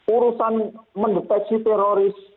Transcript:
urusan mendeteksi teroris